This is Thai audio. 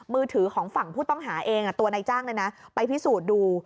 มือถือของฝั่งผู้ต้องหาเองตัวนายจ้างไปพิสูจน์ดู